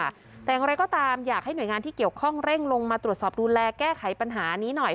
แต่อย่างไรก็ตามอยากให้หน่วยงานที่เกี่ยวข้องเร่งลงมาตรวจสอบดูแลแก้ไขปัญหานี้หน่อย